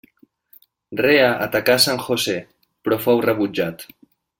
Rea atacà San José, però fou rebutjat.